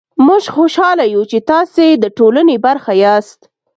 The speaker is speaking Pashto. موژ خوشحاله يو چې تاسې ده ټولني برخه ياست